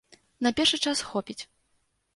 На першы час хопіць.